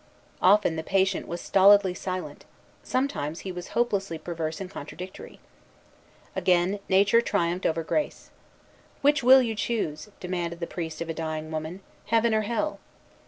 Often the patient was stolidly silent; sometimes he was hopelessly perverse and contradictory. Again, Nature triumphed over Grace. "Which will you choose," demanded the priest of a dying woman, "Heaven or Hell?"